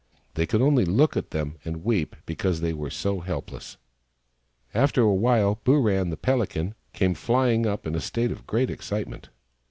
They could only look at them and weep because they were so helpless. After awhile, Booran, the Pelican, came flying up, in a state of great excitement.